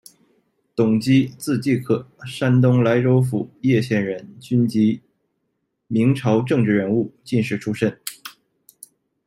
董基，字继可，山东莱州府掖县人，军籍，明朝政治人物、进士出身。